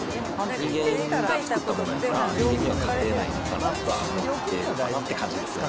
人間が作ったものやから、人間には勝てないのかなと思ってるかなっていう感じですかね。